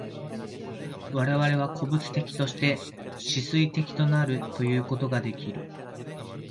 我々は個物的として思惟的となるということができる。